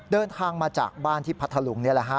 เดินทางมาจากบ้านที่พัทธลุงนี่แหละฮะ